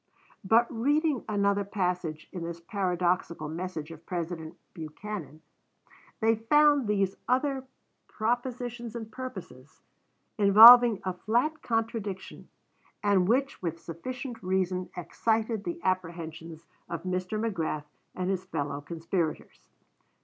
But reading another passage in this paradoxical message of President Buchanan, they found these other propositions and purposes, involving a flat contradiction, and which with sufficient reason excited the apprehensions of Mr. Magrath and his fellow conspirators.